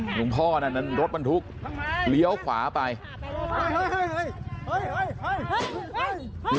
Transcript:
หนุ่มพ่อนั้นรถมันทุกข์เลี้ยวขวาไป